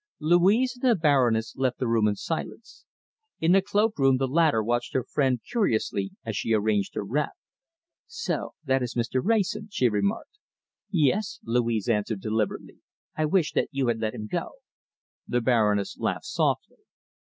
Louise and the Baroness left the room in silence. In the cloak room the latter watched her friend curiously as she arranged her wrap. "So that is Mr. Wrayson," she remarked. "Yes!" Louise answered deliberately. "I wish that you had let him go!" The Baroness laughed softly.